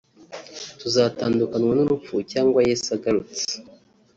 tuzatandukanywa n'urupfu cyangwa Yesu agarutse